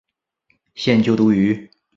现就读于。